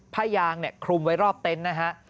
ผ้ายางคลุมไว้รอบเต็นต์นะครับ